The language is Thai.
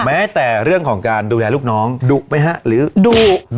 แม้แต่เรื่องของการดูแลลูกน้องดุไหมฮะหรือดุ